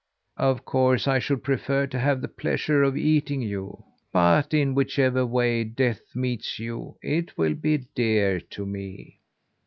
Of course, I should prefer to have the pleasure of eating you; but in whichever way death meets you it will be dear to me."